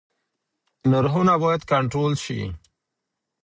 نرخونه بايد کنټرول سي.